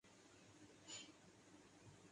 یہی سمجھ بیٹھے کہ